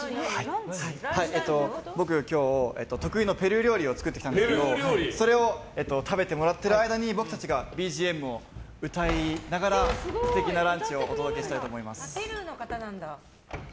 僕、今日、得意のペルー料理を作ってきたんですけどそれを食べてもらってる間に僕たちがＢＧＭを歌いながら素敵なランチをペルーの方なんだ。